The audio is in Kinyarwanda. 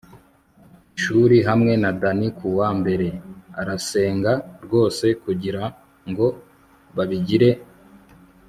ishuri hamwe na danny kuwa mbere. arasenga rwose kugirango babigire a